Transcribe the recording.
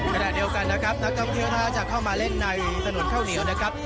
กระดาษเดียวกันนะครับนักกำเที่ยวท้าจะเข้ามาเล่นในสนุกข้าวเหลียวนะครับ